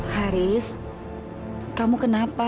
haris kamu kenapa